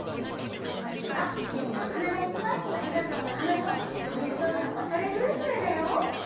こっちはきれいなおはながいっぱい「ありがとうの花」とおいしそうな「おしゃれフルーツ」のえだよ！